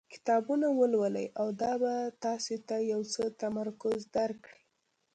کتابونه ولولئ او دا به تاسو ته یو څه تمرکز درکړي.